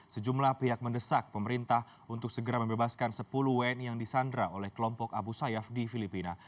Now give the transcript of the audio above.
sejumlah pihak mendesak pemerintah untuk segera membebaskan sepuluh wni yang disandra oleh kelompok abu sayyaf di filipina